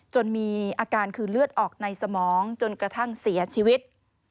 มีอาการคือเลือดออกในสมองจนกระทั่งเสียชีวิต